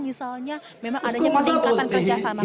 misalnya memang adanya peningkatan kerjasama